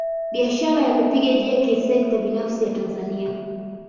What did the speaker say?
Biashara na kuipiga jeki sekta binafsi ya Tanzania